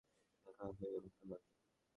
দেখা হয়ে ভাল লাগলো!